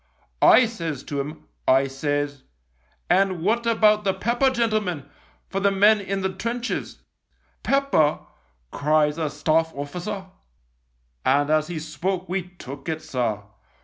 " I says to 'em, I says, ' And what about the pepper, gentlemen, for the men in the trenches ?'"' Pepper !' cries a Staff officer, and as he spoke we took it, sir.